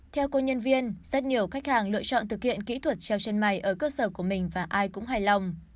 theo cô nhân viên rất nhiều khách hàng lựa chọn thực hiện kỹ thuật treo chân mày ở cơ sở của mình và ai cũng hài lòng